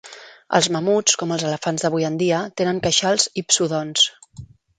Els mamuts, com els elefants d'avui en dia, tenen queixals hipsodonts.